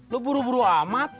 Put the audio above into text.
lu buru buru amat